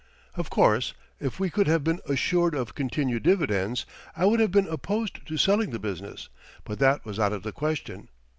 Of course, if we could have been assured of continued dividends, I would have been opposed to selling the business, but that was out of the question.